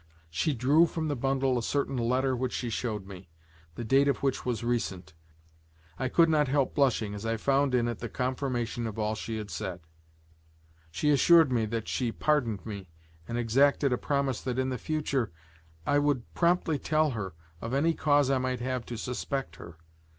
She drew from the bundle a certain letter which she showed me, the date of which was recent; I could not help blushing as I found in it the confirmation of all she had said; she assured me that she pardoned me, and exacted a promise that in the future I would promptly tell her of any cause I might have to suspect her.